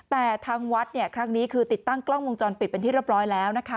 แต่ทางวัดเนี่ยครั้งนี้คือติดตั้งกล้องวงจรปิดเป็นที่เรียบร้อยแล้วนะคะ